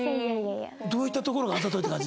どういったところがあざといって感じるの？